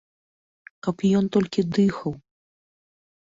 Каб ён толькі дыхаў!